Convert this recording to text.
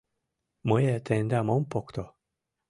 Мые тендам ом покто